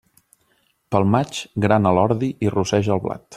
Pel maig, grana l'ordi i rosseja el blat.